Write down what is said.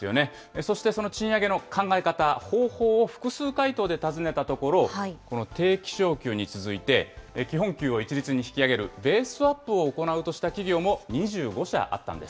そして賃上げの考え方、方法を複数回答で尋ねたところ、この定期昇給に続いて、基本給を一律に引き上げるベースアップを行うとした企業も２５社あったんです。